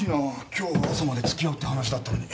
今日は朝までつきあうって話だったのに。